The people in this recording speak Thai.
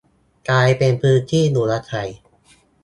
กลายเป็นพื้นที่อยู่อาศัย